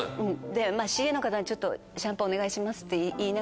ＣＡの方にちょっとシャンパンお願いしますって言いながら。